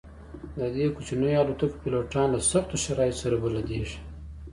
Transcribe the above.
د دې کوچنیو الوتکو پیلوټان له سختو شرایطو سره بلدیږي